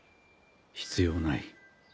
必要ない。